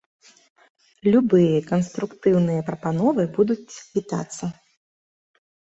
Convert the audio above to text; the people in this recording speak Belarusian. Любыя канструктыўныя прапановы будуць вітацца.